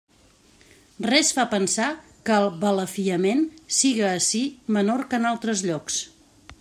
Res fa pensar que el balafiament siga ací menor que en altres llocs.